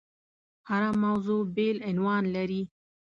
هره موضوع بېل عنوان لري.